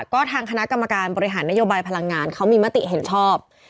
ก็ทางคณะกรรมการบริหารนโยบายพลังงานเขามีมติเห็นชอบ